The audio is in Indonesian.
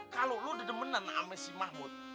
kalau lu dedemenan sama si mahmud